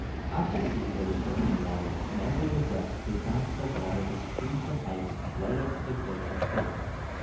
Out to sea there was open water, and as they progressed they found that the water was free from ice right up to the glacier face.